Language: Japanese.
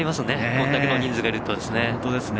これだけの人数がいるとですね。